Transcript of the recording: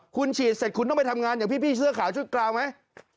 คุณฉีดเสร็จคุณต้องไปทำงานอย่างพี่เสื้อขาวชุดกราวไหม